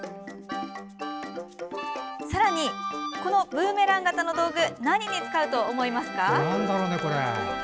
さらに、このブーメラン形の道具何に使うと思いますか？